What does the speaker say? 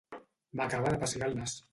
M'acaba de pessigar el nas.